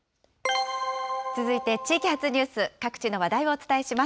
続いて地域発ニュース、各地の話題をお伝えします。